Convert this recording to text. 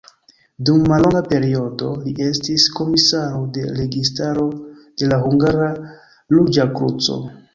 Dum mallonga periodo, li estis komisaro de registaro de la Hungara Ruĝa Kruco.